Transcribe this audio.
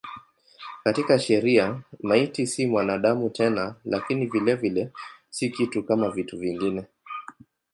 Katika sheria maiti si mwanadamu tena lakini vilevile si kitu kama vitu vingine.